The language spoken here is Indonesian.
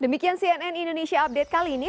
demikian cnn indonesia update kali ini